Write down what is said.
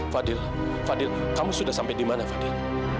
fadil kamu sudah sampai di mana fadil